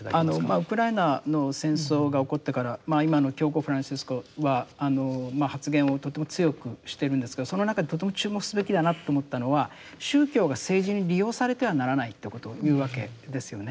ウクライナの戦争が起こってから今の教皇フランシスコは発言をとても強くしてるんですけどその中でとても注目すべきだなと思ったのは宗教が政治に利用されてはならないってことを言うわけですよね。